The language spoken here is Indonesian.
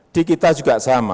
di kita juga sama